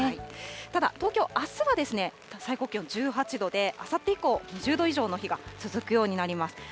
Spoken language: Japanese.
ただ、東京、あすは最高気温１８度で、あさって以降、２０度以上の日が続くようになります。